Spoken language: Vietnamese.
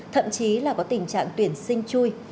thậm chí là có tình trạng tuyển sinh chui